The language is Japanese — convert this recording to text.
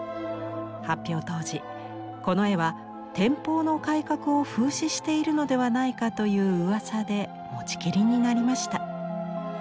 発表当時この絵は天保の改革を風刺しているのではないかといううわさで持ちきりになりました。